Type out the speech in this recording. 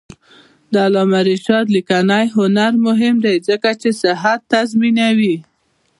د علامه رشاد لیکنی هنر مهم دی ځکه چې صحت تضمینوي.